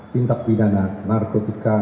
tindak pidana narkotika